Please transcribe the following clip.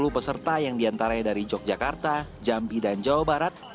empat puluh peserta yang diantaranya dari yogyakarta jampi dan jawa barat